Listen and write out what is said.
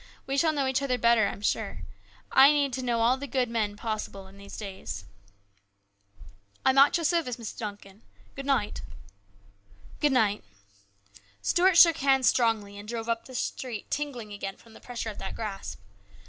We shall know each other better, I am sure. I need to know all the good men possible in these days." " I'm at your service, Mr. Duncan. Good night !"" Good night." Stuart shook hands strongly and drove up the street tingling again from the pressure of that grasp.